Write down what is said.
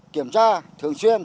kiểm tra thường xuyên